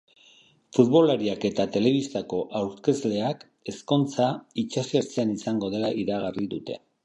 Futbolariak eta telebistako aurkezleak ezkontza itsasertzean izango dela iragarri dute.